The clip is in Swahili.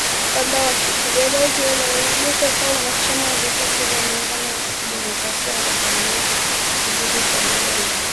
Kwamba wapiganaji wanaoaminika kuwa wanachama wa Vikosi vya Muungano wa Kidemokrasia walivamia kijiji cha Bulongo katika jimbo la Kivu kaskazini.